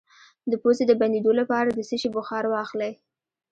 د پوزې د بندیدو لپاره د څه شي بخار واخلئ؟